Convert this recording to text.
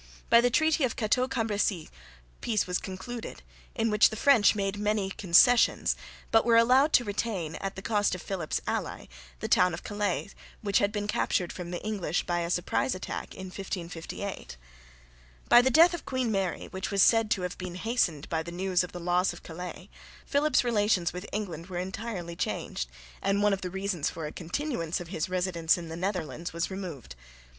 By the treaty of Cateau Cambresis peace was concluded, in which the French made many concessions, but were allowed to retain, at the cost of Philip's ally, the town of Calais which had been captured from the English by a surprise attack in 1558. By the death of Queen Mary, which was said to have been hastened by the news of the loss of Calais, Philip's relations with England were entirely changed, and one of the reasons for a continuance of his residence in the Netherlands was removed.